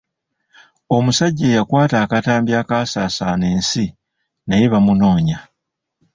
Omusajja eyakwata akatambi akaasaasaana ensi naye bamunoonya.